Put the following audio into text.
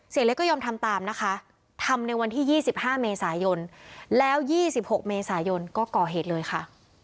เล็กก็ยอมทำตามนะคะทำในวันที่๒๕เมษายนแล้ว๒๖เมษายนก็ก่อเหตุเลยค่ะ